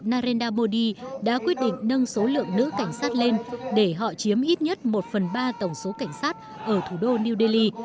narendra modi đã quyết định nâng số lượng nữ cảnh sát lên để họ chiếm ít nhất một phần ba tổng số cảnh sát ở thủ đô new delhi